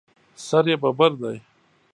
سر یې ببر دی.